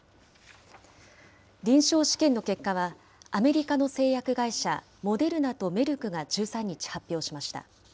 臨床試験の結果は、アメリカの製薬会社、モデルナとメルクが１３日、発表しました。